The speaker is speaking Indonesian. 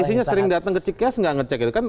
teknisinya sering datang ke cks gak ngecek gitu kan